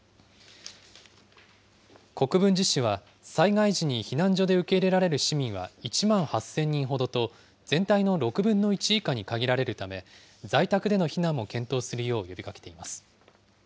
国分寺市は、災害時に避難所で受け入れられる市民は１万８０００人ほどと、全体の６分の１以下に限られるため、在宅での避難も検討するよう呼びかけています。